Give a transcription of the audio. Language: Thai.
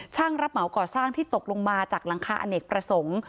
รับเหมาก่อสร้างที่ตกลงมาจากหลังคาอเนกประสงค์